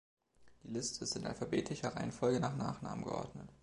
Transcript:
Die Liste ist in alphabetischer Reihenfolge nach Nachnamen geordnet.